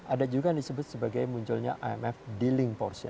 ada juga yang disebut sebagai munculnya imf dealing portion